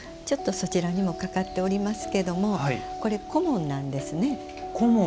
そちらにもかかっていますけれどもこれ、「小紋」なんですね。